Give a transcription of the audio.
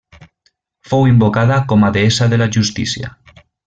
Fou invocada com a deessa de la justícia.